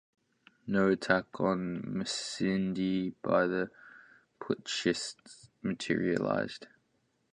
No attack on Masindi by the putschists materialised.